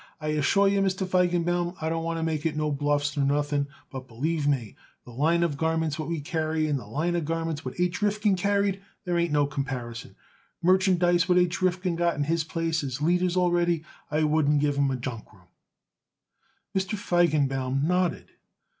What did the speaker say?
I assure you, Mr. Feigenbaum, I don't want to make no bluffs nor nothing, but believe me, the line of garments what we carry and the line of garments what H. Rifkin carried, there ain't no comparison. Merchandise what H. Rifkin got in his place as leaders already, I wouldn't give 'em junk room." Mr. Feigenbaum nodded.